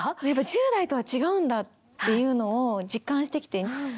やっぱり１０代とは違うんだっていうのを実感してきて。